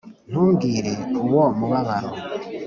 ntumbwire, uwo mubabaro,